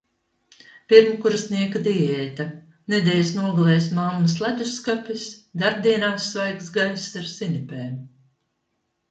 Pirmkursnieka diēta: nedēļas nogalēs mammas ledusskapis, darbdienās svaigs gaiss ar sinepēm.